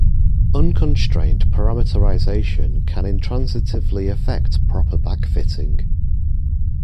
Unconstrained parameterization can intransitively affect proper backfitting.